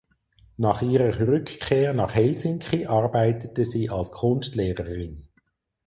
Nach ihrer Rückkehr nach Helsinki arbeitete sie als Kunstlehrerin.